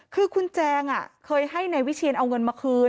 คือคุณแจงเคยให้นายวิเชียนเอาเงินมาคืน